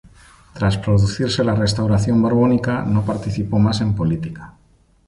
Tras producirse la restauración borbónica no participó más en política.